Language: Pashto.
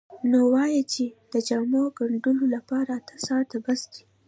نو وایي چې د جامو ګنډلو لپاره اته ساعته بس دي.